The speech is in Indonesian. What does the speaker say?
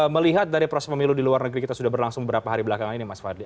melihat dari proses pemilu di luar negeri kita sudah berlangsung beberapa hari belakangan ini mas fadli